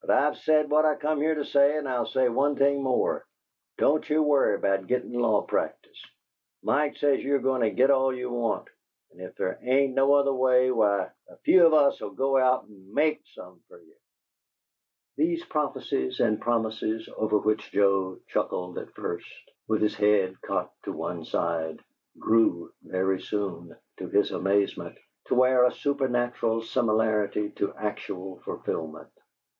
But I've said what I come here to say, and I'll say one thing more. Don't you worry about gittin' law practice. Mike says you're goin' to git all you want and if there ain't no other way, why, a few of us 'll go out and MAKE some fer ye!" These prophecies and promises, over which Joe chuckled at first, with his head cocked to one side, grew very soon, to his amazement, to wear a supernatural similarity to actual fulfilment.